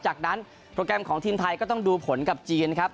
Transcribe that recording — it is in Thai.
จากนั้นโปรแกรมของทีมไทยก็ต้องดูผลกับจีนครับ